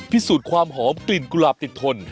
พิสูจน์ความหอมกลิ่นกุหลาบติดทน